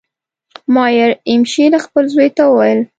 مایر امشیل خپل زوی ته وویل.